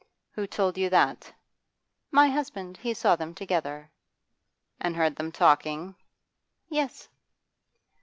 'Who told you that?' 'My husband. He saw them together.' 'And heard them talking?' 'Yes.